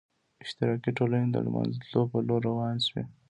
اشتراکي ټولنې د له منځه تلو په لور روانې شوې.